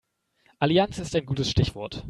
Allianz ist ein gutes Stichwort.